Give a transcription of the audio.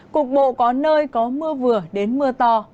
cục bộ có nơi có mưa vừa đến mưa to